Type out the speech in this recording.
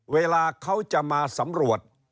เวลาเขาจะมาสำรวจ